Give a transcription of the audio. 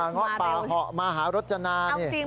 งอบป่าเหาะมหารสนาน